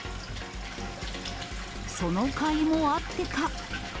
そのかいもあってか。